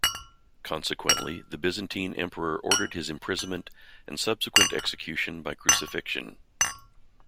Consequently, the Byzantine emperor ordered his imprisonment and subsequent execution by crucifixion.